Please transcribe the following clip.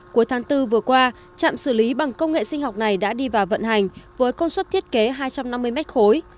cuối tháng bốn vừa qua trạm xử lý bằng công nghệ sinh học này đã đi vào vận hành với công suất thiết kế hai trăm năm mươi mét khối